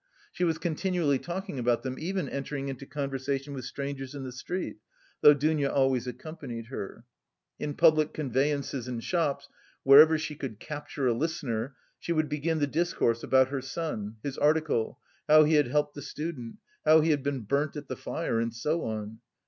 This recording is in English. She was continually talking about them, even entering into conversation with strangers in the street, though Dounia always accompanied her. In public conveyances and shops, wherever she could capture a listener, she would begin the discourse about her son, his article, how he had helped the student, how he had been burnt at the fire, and so on!